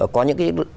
có những cái